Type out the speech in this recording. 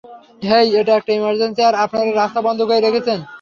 হেই, এটা একটা ইমার্জেন্সি আর আপনারা রাস্তা বন্ধ করে রেখেছেন!